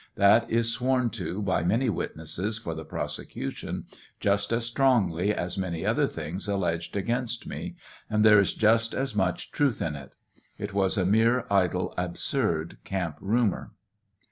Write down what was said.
That is sworn to by many witnesses for the prosecution just as strongly as many other things alleged against me. And there is just as much truth in it. It was a mere idle, absurd camp rumor.